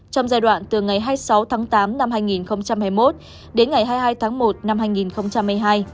trong giai đoạn từ ngày hai mươi sáu tháng tám năm hai nghìn hai mươi một đến ngày hai mươi hai tháng một năm hai nghìn hai mươi hai